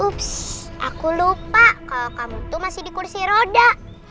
ups aku lupa kalau kamu tuh masih di kursi roda